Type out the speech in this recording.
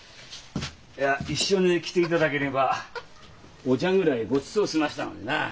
いや一緒に来ていただければお茶ぐらいごちそうしましたのになあ。